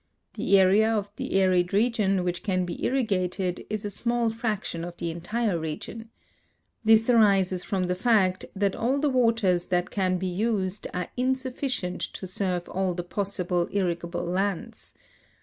The area of the arid region which can be irrigated is a small fraction of the entire region. This arises from the fact that all the waters that can be used are insufficient to serve all the possible irrigable lands.